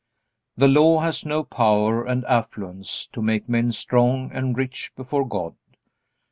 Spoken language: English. The Law has no power and affluence to make men strong and rich before God.